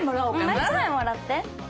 もう１枚もらって。